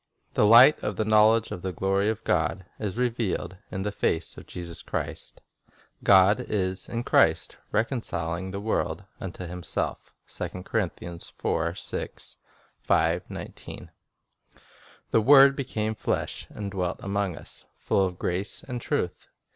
"The light of the knowledge of the glory of God" is revealed "in the face of Jesus Christ." God is "in Christ, recon ciling the world unto Himself." 1 "The Word became flesh, and dwelt among us, full of grace and truth."